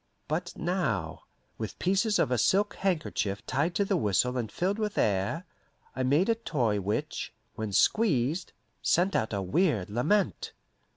But now, with pieces of a silk handkerchief tied to the whistle and filled with air, I made a toy which, when squeezed, sent out a weird lament.